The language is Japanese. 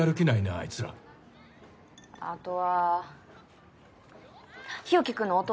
あいつらあとは日沖君の弟